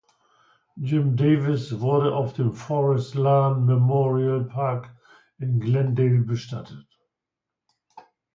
Jim Davis wurde auf dem Forest Lawn Memorial Park in Glendale bestattet.